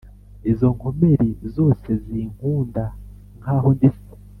izo nkomeri zose zinkunda nk'aho ndi se.